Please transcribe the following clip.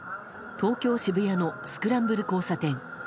東京・渋谷のスクランブル交差点。